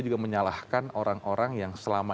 juga menyalahkan orang orang yang selama